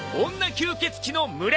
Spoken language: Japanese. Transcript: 吸血鬼の群れ。